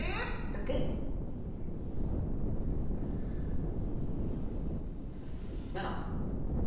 ６！７！